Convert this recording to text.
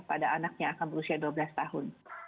pada anaknya akan berusia dua belas tahun